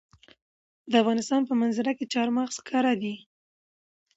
د افغانستان په منظره کې چار مغز ښکاره ده.